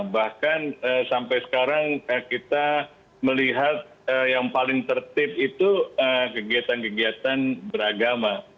bahkan sampai sekarang kita melihat yang paling tertib itu kegiatan kegiatan beragama